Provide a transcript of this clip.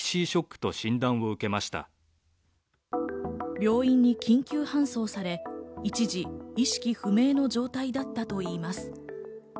病院に緊急搬送され、一時意識不明の状態だったといいます。